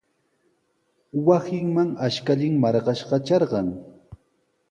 Wasinman ashkallan marqashqa trarqan.